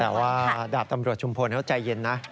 แต่ว่าดาบตำรวจชุมพลเขาใจเย็นนะ